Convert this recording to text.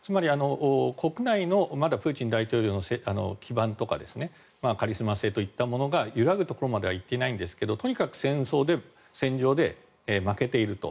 国内のプーチン大統領の基盤とかカリスマ性というものが揺らぐところまでは行っていないんですがとにかく戦争で、戦場で負けていると。